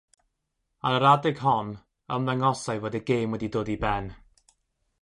Ar yr adeg hon, ymddangosai fod y gêm wedi dod i ben.